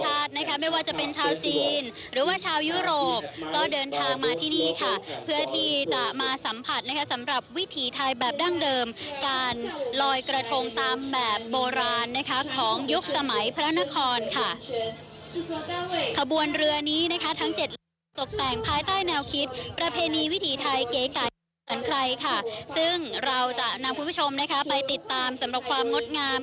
ไม่ว่าจะเป็นชาวจีนหรือว่าชาวยุโรปก็เดินทางมาที่นี่ค่ะเพื่อที่จะมาสัมผัสนะคะสำหรับวิถีไทยแบบดั้งเดิมการลอยกระทงตามแบบโบราณนะคะของยุคสมัยพระนครค่ะขบวนเรือนี้นะคะทั้งเจ็ดลำตกแต่งภายใต้แนวคิดประเพณีวิถีไทยเก๋ไก่เหมือนใครค่ะซึ่งเราจะนำคุณผู้ชมนะคะไปติดตามสำหรับความงดงาม